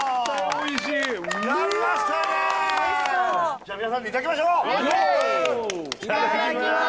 じゃあ皆さんでいただきましょう。いただきます。